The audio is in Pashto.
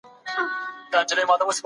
عام پوهاوی ډېر مهم دی.